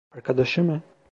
Arkadaşı mı?